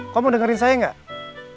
kamu dengerin saya gak